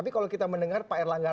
di dalam undangannya